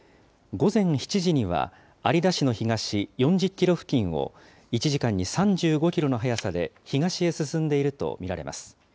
午前７時には有田市の東４０キロ付近を、１時間に３５キロの速さで東へ進んでいると見られます。